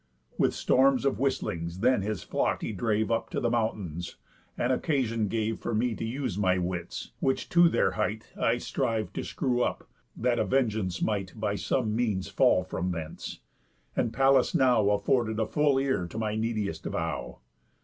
With storms of whistlings then his flock he drave Up to the mountains; and occasion gave For me to use my wits, which to their height I striv'd to screw up, that a vengeance might By some means fall from thence, and Pallas now Afford a full ear to my neediest vow.